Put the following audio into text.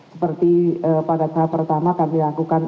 seperti pada tahap pertama kami lakukan